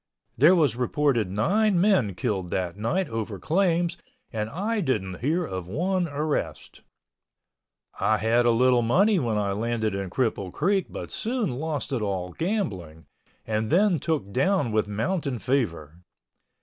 There was reported nine men killed that night over claims and I didn't hear of one arrest. I had a little money when I landed in Cripple Creek but soon lost it all gambling and then took down with mountain fever.